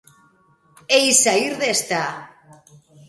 Hei saír desta.